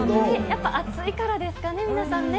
やっぱり暑いからですかね、皆さんね。